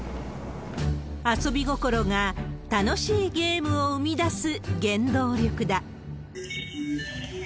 遊び心が楽しいゲームを生み出す原動力だ。